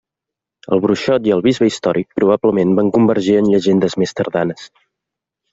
El bruixot i el bisbe històric probablement van convergir en llegendes més tardanes.